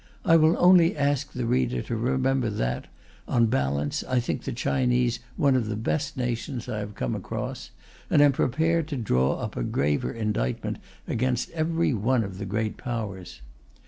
I will only ask the reader to remember that, on the balance, I think the Chinese one of the best nations I have come across, and am prepared to draw up a graver indictment against every one of the Great Powers.